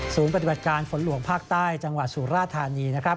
ปฏิบัติการฝนหลวงภาคใต้จังหวัดสุราธานีนะครับ